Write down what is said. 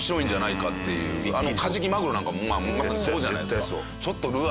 カジキマグロなんかもまさにそうじゃないですか。